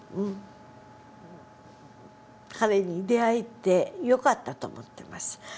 彼に出会えてよかったと思ってます。